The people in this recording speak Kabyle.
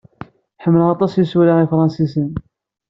Ḥemmleɣ aṭas isura ifṛensisen.